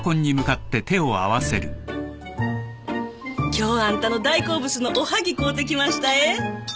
今日はあんたの大好物のおはぎ買うてきましたえ。